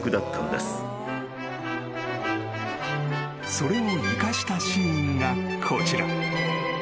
［それを生かしたシーンがこちら］